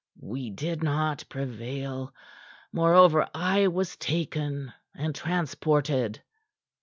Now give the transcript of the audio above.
We did not prevail. Moreover, I was taken, and transported.